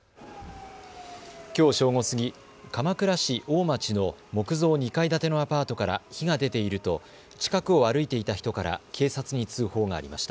きょう正午過ぎ、鎌倉市大町の木造２階建てのアパートから火が出ていると近くを歩いていた人から警察に通報がありました。